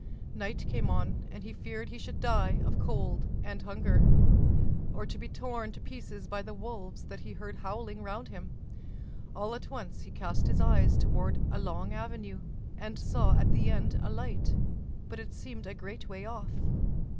Night came on, and he feared he should die of cold and hunger, or be torn to pieces by the wolves that he heard howling round him. All at once, he cast his eyes toward a long avenue, and saw at the end a light, but it seemed a great way off.